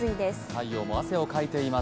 太陽も汗をかいています。